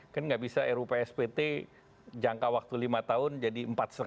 kan nggak bisa rupspt jangka waktu lima tahun jadi empat lima